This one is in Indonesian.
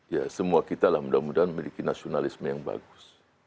ya semua kita lah mudah mudahan memiliki nasionalisme yang bagus